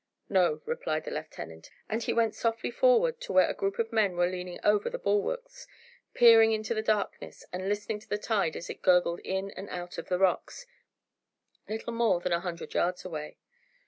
"No," replied the lieutenant; and he went softly forward toward where a group of men were leaning over the bulwarks, peering into the darkness and listening to the tide as it gurgled in and out of the rocks, little more than a hundred yards away.